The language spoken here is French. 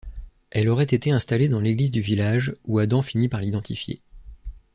Elle aurait été installée dans l'église du village, où Adam finit par l'identifier.